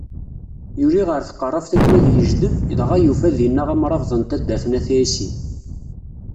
Yuli ɣer tqeṛṛabt akken ad yejdeb, dɣa yufa dinna amṛabeḍ n taddart n At Ɛisi.